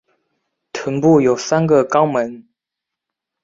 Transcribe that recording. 臀部有三个肛门。